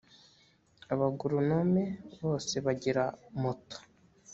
abagoronome bose bagira moto.